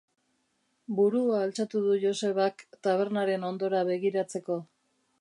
Burua altxatu du Josebak tabernaren hondora begiratzeko.